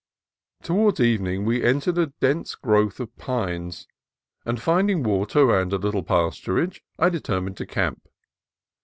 Towards evening we entered a dense growth of pines, and finding water and a little pasturage I de termined to camp.